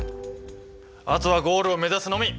あとはゴールを目指すのみ！